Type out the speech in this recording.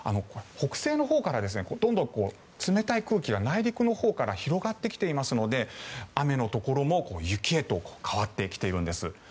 北西のほうからどんどん冷たい空気が内陸のほうから広がってきていますので雨のところも雪へと変わってきているんです。